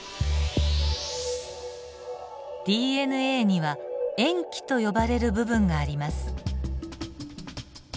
ＤＮＡには塩基と呼ばれる部分があります。